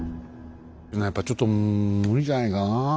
やっぱりちょっと無理じゃないかなあ。